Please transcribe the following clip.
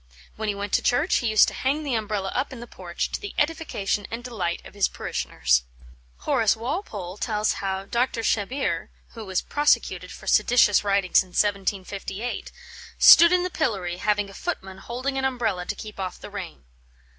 When he went to church, he used to hang the Umbrella up in the porch, to the edification and delight of his parishioners. Horace Walpole tells how Dr. Shebbeare (who was prosecuted for seditious writings in 1758) "stood in the pillory, having a footman holding an umbrella to keep off the rain."